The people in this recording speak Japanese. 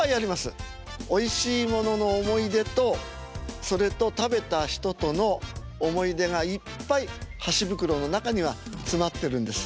おいしいものの思い出とそれと食べた人との思い出がいっぱい箸袋の中には詰まってるんです。